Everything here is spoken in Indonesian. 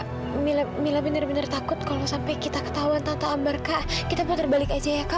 kak mila bener bener takut kalau sampai kita ketahuan tata ambar kak kita putar balik aja ya kak